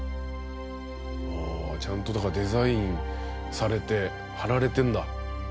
おちゃんとだからデザインされて貼られてんだ？